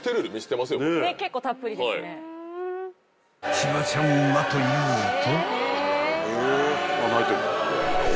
［千葉ちゃんはというと］